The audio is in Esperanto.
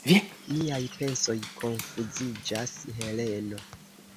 Miaj pensoj konfuziĝas, Heleno.